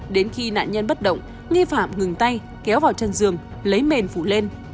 đến khi nạn nhân bất động nghi phạm ngừng tay kéo vào chân giường lấy nền phủ lên